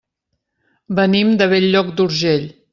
Venim de Bell-lloc d'Urgell.